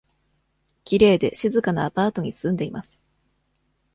きれいで静かなアパートに住んでいます。